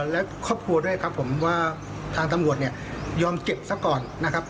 และครอบครัวด้วยว่าทางตำรวจยอมเก็บซะก่อน